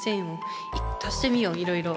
足してみよういろいろ。